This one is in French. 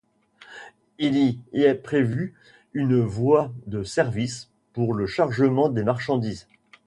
Il y est prévu une voie de service pour le chargement des marchandises.